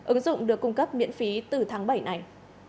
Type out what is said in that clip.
ứng dụng được cung cấp miễn phí từ tháng bảy này